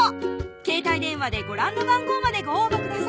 携帯電話でご覧の番号までご応募ください